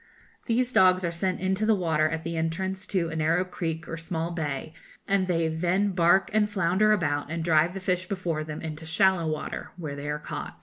These dogs are sent into the water at the entrance to a narrow creek or small bay, and they then bark and flounder about and drive the fish before them into shallow water, where they are caught.